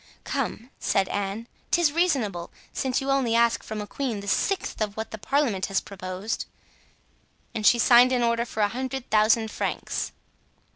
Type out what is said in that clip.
"Come," said Anne, "'tis reasonable, since you only ask from a queen the sixth of what the parliament has proposed;" and she signed an order for a hundred thousand francs.